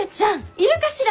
いるかしら？